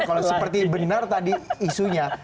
kalau seperti benar tadi isunya